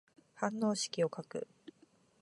反応式を書く。